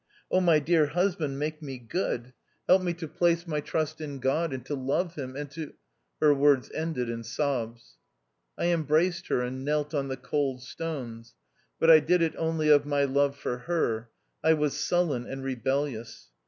Oh ! my dear husband, make me good ; help me to THE OUTCAST. 195 place my trust in God, and to love him, and to ." Her words ended in sobs. I embraced her, and kn<ilt on the cold stones. But I did it only of my love for her. I was sullen and rebellious.